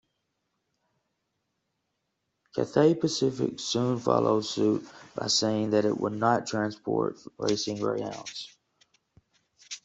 Cathay Pacific soon followed suit by saying that it would not transport racing greyhounds.